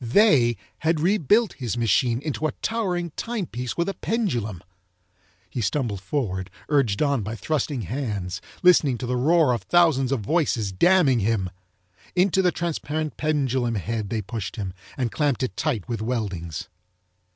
THEY had rebuilt his machine into a towering timepiece with a pendulum. He stumbled forward, urged on by thrusting hands, listening to the roar of thousands of voices damning him. Into the transparent pendulum head they pushed him and clamped it tight with weldings.